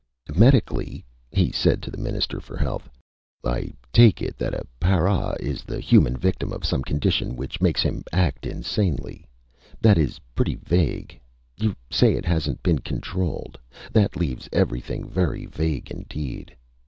"Medically," he said to the Minister for Health, "I take it that a para is the human victim of some condition which makes him act insanely. That is pretty vague. You say it hasn't been controlled. That leaves everything very vague indeed.